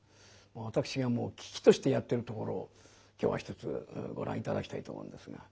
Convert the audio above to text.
私がもう喜々としてやってるところを今日はひとつご覧頂きたいと思うんですが。